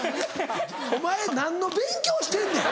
お前何の勉強してんねん。